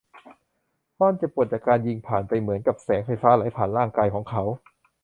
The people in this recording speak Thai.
ความเจ็บปวดจากการยิงผ่านไปเหมือนกับแสงไฟฟ้าไหลผ่านร่างกายของเขา